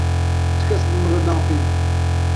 Ti kes bi min re napeyive.